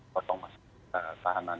potong masalah tahanan